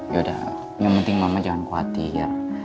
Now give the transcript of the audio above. ya udah yang penting mama jangan khawatir